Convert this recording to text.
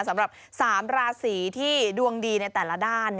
สำหรับ๓ราศีที่ดวงดีในแต่ละด้าน